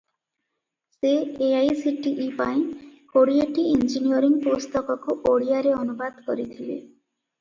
ସେ ଏଆଇସିଟିଇ ପାଇଁ କୋଡ଼ିଏଟି ଇଞ୍ଜିନିୟରିଂ ପୁସ୍ତକକୁ ଓଡ଼ିଆରେ ଅନୁବାଦ କରିଥିଲେ ।